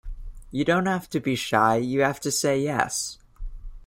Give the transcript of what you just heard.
You don't have to be shy, you have to say yes.